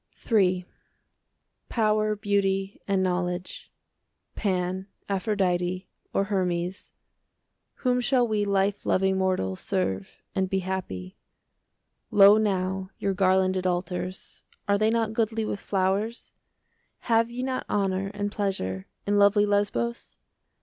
III Power and beauty and knowledge,— Pan, Aphrodite, or Hermes,— Whom shall we life loving mortals Serve and be happy? Lo now, your garlanded altars, 5 Are they not goodly with flowers? Have ye not honour and pleasure In lovely Lesbos?